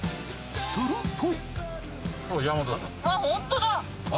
すると。